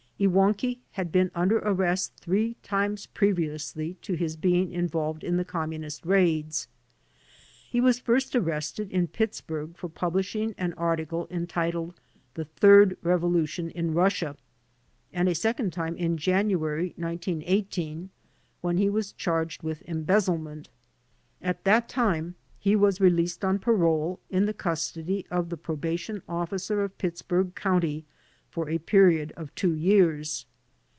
Iwankiw had been under arrest three times previously to his being involved in the Communist raids. He was first arrested in Pittsburgh for publishing an article entitled "The Third Revolution in Russia," and a second time in Jan uary, 1918, when he was charged with embezzlement. At that time he was released on parole in the custody of the probation officer of Pittsburgh County for a period of two years.